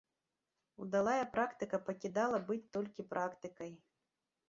Удалая практыка пакідала быць толькі практыкай.